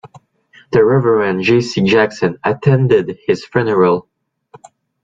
The Reverend Jesse Jackson attended his funeral.